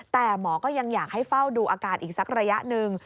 แต่หมอก็ยังอยากให้เฝ้าดูอาการอีกสักระยะหนึ่ง